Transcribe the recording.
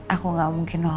aku enggak mungkin nolak di